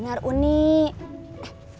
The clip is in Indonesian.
gak tau diri